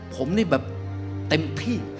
ผมนี่แบบเต็มที่